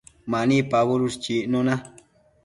Mani pabudush chicnuna